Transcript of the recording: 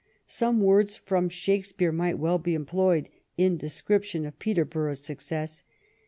Some words from Shakespeare might well be employed in description of Peterborough's success.